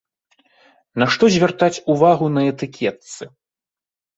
На што звяртаць увагу на этыкетцы?